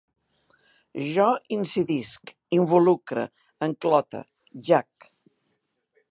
Jo incidisc, involucre, enclote, jac